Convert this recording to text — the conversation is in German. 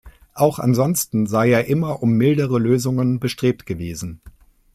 Auch ansonsten sei er immer um mildere Lösungen bestrebt gewesen.